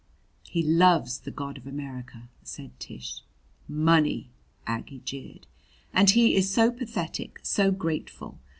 "He loves the God of America," said Tish. "Money!" Aggie jeered. "And he is so pathetic, so grateful!